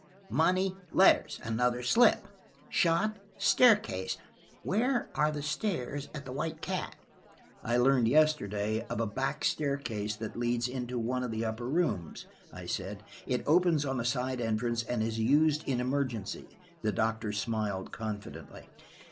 " 'Money–letters,'–another slip. " 'Shot–staircase'–where are the stairs at the White Cat?" "I learned yesterday of a back staircase that leads into one of the upper rooms," I said. "It opens on a side entrance, and is used in emergency." The doctor smiled confidently.